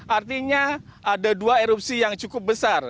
artinya ada dua erupsi yang cukup besar